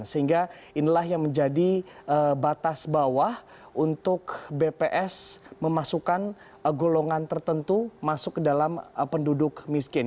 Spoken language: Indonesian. sehingga inilah yang menjadi batas bawah untuk bps memasukkan golongan tertentu masuk ke dalam penduduk miskin